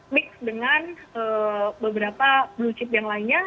mix dengan beberapa blue chip yang lainnya